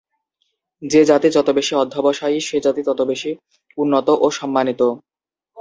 যে জাতি যত বেশি অধ্যবসায়ী সে জাতি তত বেশি উন্নত ও সম্মানিত।